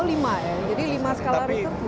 lima ya jadi lima skalarator